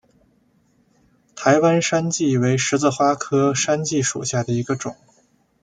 台湾山荠为十字花科山荠属下的一个种。